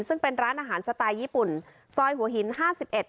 ซึ่งเป็นร้านอาหารสไตล์ญี่ปุ่นซอยหัวหินห้าสิบเอ็ด